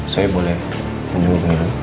saya boleh menunggu dulu